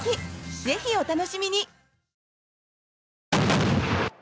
ぜひ、お楽しみに。